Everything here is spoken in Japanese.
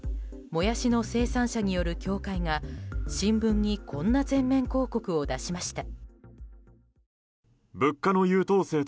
もやしの生産者による協会が新聞にこんな全面広告を出しました。